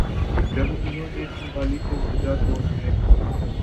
جب انہوں نے سنبھالی تو بجا طور پہ